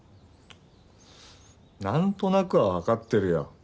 なんとなくはわかってるよ。